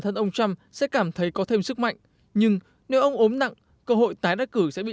thân ông trump sẽ cảm thấy có thêm sức mạnh nhưng nếu ông ốm nặng cơ hội tái đắc cử sẽ bị